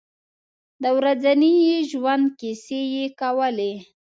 د ورځني ژوند کیسې یې کولې.